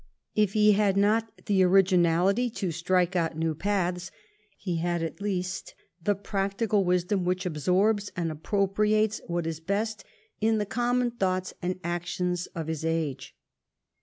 If he had not the origin ality to strike out new paths, he had at least the practical wisdom which absorbs and appropriates what is best in the common thoughts and actions of his age.